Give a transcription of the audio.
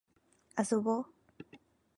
遊ぼう